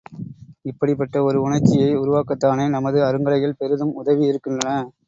இப்படிப்பட்ட ஒரு உணர்ச்சியை உருவாக்கத்தானே நமது அருங்கலைகள் பெரிதும் உதவியிருக்கின்றன.